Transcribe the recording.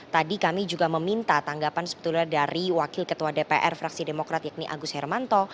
tadi kami juga meminta tanggapan sebetulnya dari wakil ketua dpr fraksi demokrat yakni agus hermanto